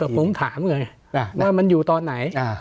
ผมถามไงว่ามันอยู่ตอนไหน